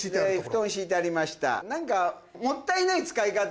布団敷いてありました何か。